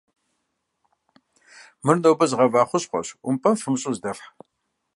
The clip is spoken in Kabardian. Мыр нобэ згъэва хущхъуэщ, Ӏумпэм фымыщӀу зыдэфхь.